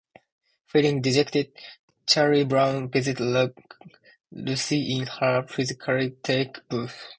Feeling dejected, Charlie Brown visits Lucy in her psychiatric booth.